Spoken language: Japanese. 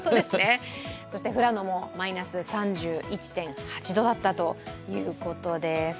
富良野もマイナス３１．８度だったということです。